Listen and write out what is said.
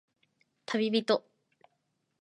たびびと